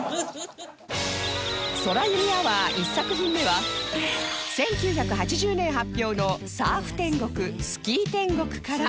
空ユミアワー１作品目は１９８０年発表の『サーフ天国、スキー天国』から